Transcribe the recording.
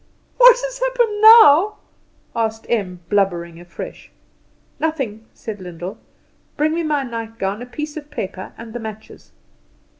"What has happened now?" Em asked, blubbering afresh. "Nothing," said Lyndall. "Bring me my nightgown, a piece of paper, and the matches."